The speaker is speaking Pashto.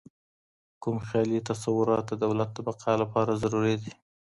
کوم خیالي تصورات د دولت د بقاء لپاره ضروري دي؟